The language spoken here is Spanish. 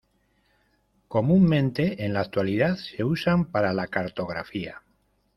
Comúnmente en la actualidad se usan para la cartografía.